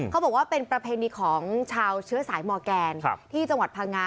เขาบอกว่าเป็นประเพณีของชาวเชื้อสายมอร์แกนที่จังหวัดพังงา